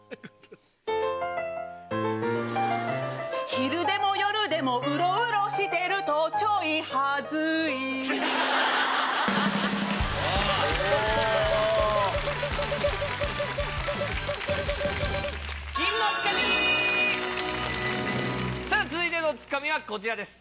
昼でも夜でもウロウロしてるとちょい恥ずいさぁ続いてのツカミはこちらです。